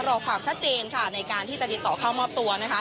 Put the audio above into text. รอความชัดเจนค่ะในการที่จะติดต่อเข้ามอบตัวนะคะ